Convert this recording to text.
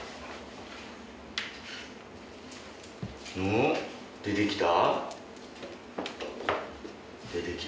んっ？出てきた？